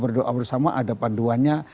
berdoa bersama ada panduannya